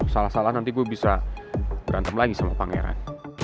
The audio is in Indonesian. salah salah nanti gue bisa berantem lagi sama pangeran